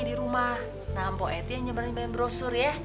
nah mpo eti hanya berani main brosur ya